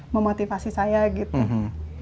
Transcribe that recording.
memotivasi saya gitu